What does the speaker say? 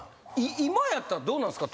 今やったらどうなんですか？